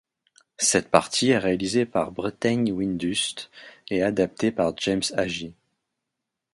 Cette partie est réalisée par Bretaigne Windust et adaptée par James Agee.